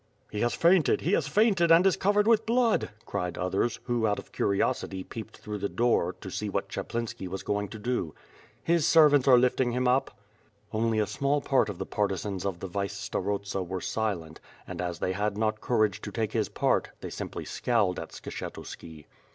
"He has fainted, he has fainted and is covered with blood," cried others, who out of curiosity peeped through the door, to see what Chaplinski was going to do. "His servants are lifting him up." WITH FIRE AND SWORD. 23 Only a small part of the partisans of the vice starosta were silent, and as they had not courage to ta^ce his part, they simply scowled at Skshetuski.